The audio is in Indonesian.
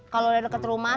kalau udah deket rumah